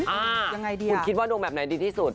ยังไงดีคุณคิดว่าดวงแบบไหนดีที่สุด